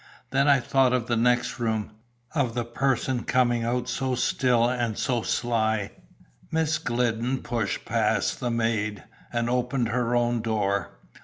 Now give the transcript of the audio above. Then I thought of the next room, of the person coming out so still and so sly " Miss Glidden pushed past the maid, and opened her own door.